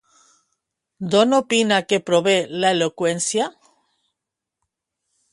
D'on opina que prové l'eloqüència?